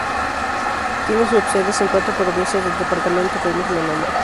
Tiene subsedes en cuatro provincias del departamento del mismo nombre.